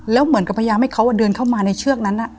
แล้วเหมือนกับพยายามให้เขาเดินเข้ามาในเชือกนั้น